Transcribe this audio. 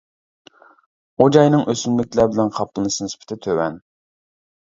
ئۇ جاينىڭ ئۆسۈملۈكلەر بىلەن قاپلىنىش نىسبىتى تۆۋەن.